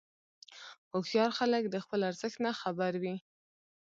هوښیار خلک د خپل ارزښت نه خبر وي.